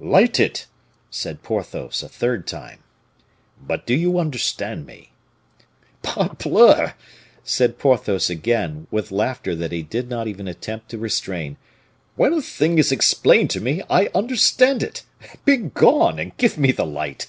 "Light it," said Porthos, a third time. "But do you understand me?" "Parbleu!" said Porthos again, with laughter that he did not even attempt to restrain, "when a thing is explained to me I understand it; begone, and give me the light."